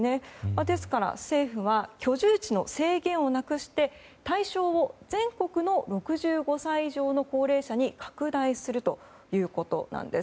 ですから、政府は居住地の制限をなくして対象を全国の６５歳以上の高齢者に拡大するということなんです。